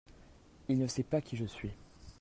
il ne sait pas qui je suis.